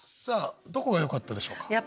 さあどこがよかったでしょうか？